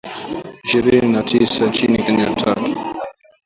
ishirini na tisa nchini Kenya tatu